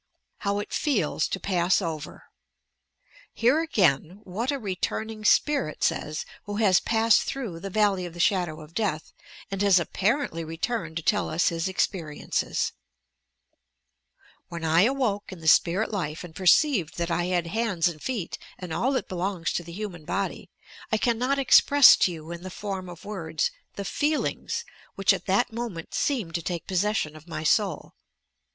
now PT FEELS TO "PASB OVER" Hear, again, what a returning "spirit" says, who has passed through the "Valley of the Shadow of Death" and has apparently returned to tell us hia experiences :— "When I awoke in the spirit life and perceived that I had hands and feet and all that belongs to the human body, I cannot express to you in the form of words the feelings which at that moment seemed to take possession of my soul.